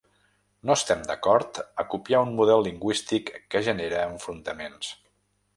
No estem d’acord a copiar un model lingüístic que genera enfrontaments.